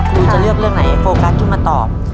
ครูจะเลือกเรื่องไหนโฟกัสขึ้นมาตอบ